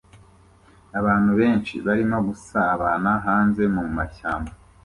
Abantu benshi barimo gusabana hanze mumashyamba